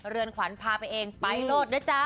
เรือนขวัญพาไปเองไปโลดนะจ๊ะ